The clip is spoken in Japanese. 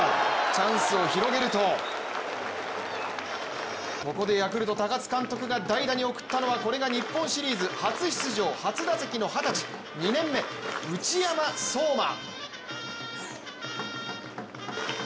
チャンスを広げるとここでヤクルト・高津監督が代打に送ったのはこれが日本シリーズ初出場初打席の二十歳２年目、内山壮真。